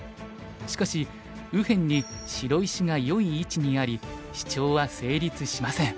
しかし右辺に白石がよい位置にありシチョウは成立しません。